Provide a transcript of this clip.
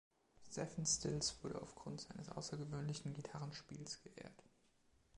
Stephen Stills wurde aufgrund seines außergewöhnlichen Gitarrenspiels geehrt.